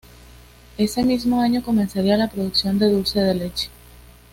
Ese mismo año comenzaría la producción de dulce de leche.